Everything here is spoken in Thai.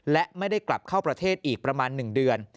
และไม่ได้กลับเข้าประเทศอีกประมาณ๑เดือน